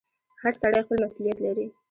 • هر سړی خپل مسؤلیت لري.